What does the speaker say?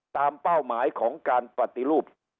เป้าหมายของการปฏิรูป